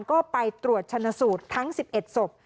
ก็ไปตรวจชนสูตรทั้ง๑๑ศพ